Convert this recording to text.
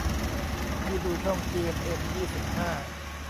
พี่ดูช่องจีเอ็มเอ็มยี่สิบห้า